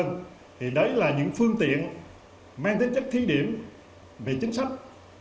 thì đấy là những phương tiện mang tính chất thí điểm về chính sách